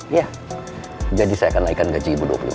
iya jadi saya akan naikkan gaji